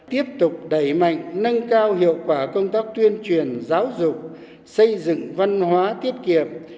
tiếp tục đẩy mạnh nâng cao hiệu quả công tác tuyên truyền giáo dục xây dựng văn hóa tiết kiệm